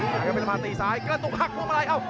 อย่างนี้ละพาตีซ้ายอยู่เกินตรงหักลวงมาลัย